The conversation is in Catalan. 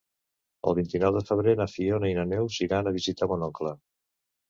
El vint-i-nou de febrer na Fiona i na Neus iran a visitar mon oncle.